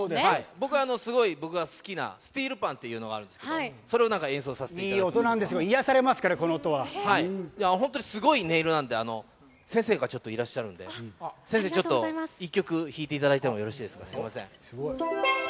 僕は、すごい僕が好きなスティールパンっていうのがあるんですけど、それをなんか演奏させていただくんです。いい音なんですよ、癒やされ本当にすごい音色なんで、先生がいらっしゃるんで、先生、ちょっと１曲ちょっとひいていただいてもいいですか。